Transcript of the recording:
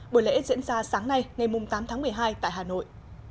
buổi lễ diễn ra sáng nay ngày tám tháng một mươi hai tại hà nội